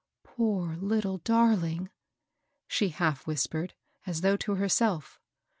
" Poor little darling 1 " she half whispered, as though to herself.